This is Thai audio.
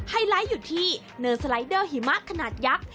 ไลท์อยู่ที่เนินสไลเดอร์หิมะขนาดยักษ์